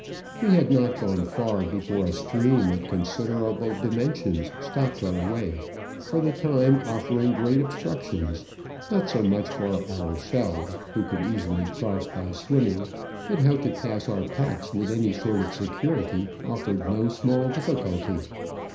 We had not gone far before a stream of consider p* Digitized by V:iOOQIC 70 Travels and Adventures able dimensions stopped our way, for the time offering great obstructions, not so much for ourselves, who could easily cross by swimming, but how to pass our packs with any sort of security offered no small difficulty.